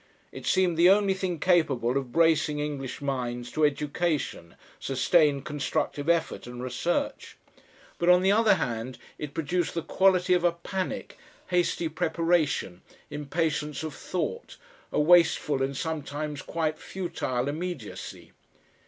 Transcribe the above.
It seemed the only thing capable of bracing English minds to education, sustained constructive effort and research; but on the other hand it produced the quality of a panic, hasty preparation, impatience of thought, a wasteful and sometimes quite futile immediacy.